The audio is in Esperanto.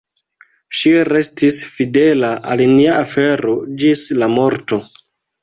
Ŝi restis fidela al nia afero ĝis la morto.